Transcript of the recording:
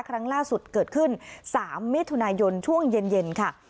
ครั้งล่าสุดเกิดขึ้น๓มิถุนายนช่วงเย็นค่ะ